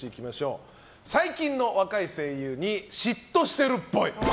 最近の若い声優に嫉妬してるっぽい。